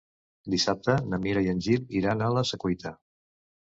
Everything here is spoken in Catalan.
Dissabte na Mira i en Gil iran a la Secuita.